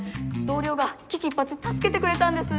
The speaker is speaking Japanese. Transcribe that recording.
同僚が危機一髪助けてくれたんです。